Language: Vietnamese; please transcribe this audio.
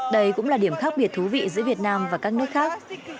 đây cũng là điểm khác biệt thú vị giữa việt nam và các nước khác